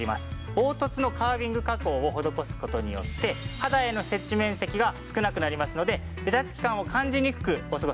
凹凸のカービング加工を施す事によって肌への接地面積が少なくなりますのでべたつき感を感じにくくお過ごし頂けるんです。